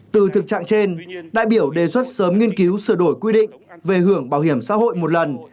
từ thực trạng trên đại biểu đề xuất sớm nghiên cứu sửa đổi quy định về hưởng bảo hiểm xã hội một lần